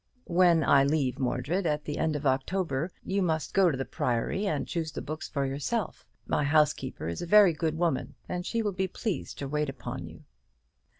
"When I leave Mordred, at the end of October, you must go to the Priory, and choose the books for yourself. My housekeeper is a very good woman, and she will be pleased to wait upon you."